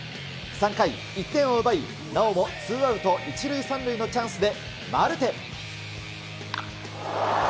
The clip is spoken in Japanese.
３回、１点を奪い、なおもツーアウト１塁３塁のチャンスでマルテ。